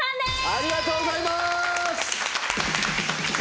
ありがとうございます！